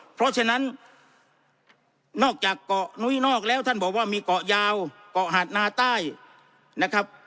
เพราะฉะนั้นนอกจากเกาะนุ้ยนอกแล้วท่านบอกว่ามีเกาะยาวเกาะหาดนาใต้นะครับ